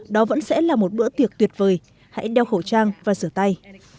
đó vẫn sẽ là một bữa tiệc tuyệt vời hãy đeo khẩu trang và rửa tay